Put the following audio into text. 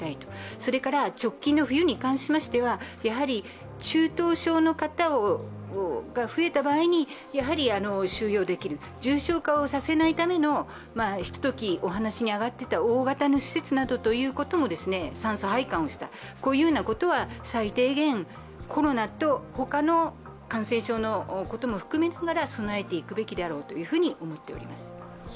それから直近の冬に関しましては中等症の方が増えた場合に収容できる、重症化をさせないための一時、お話に上がっていた大型の施設なども酸素配管をしたということは最低限コロナと他の感染症のことも含めながら備えていくべきだろうと思っております。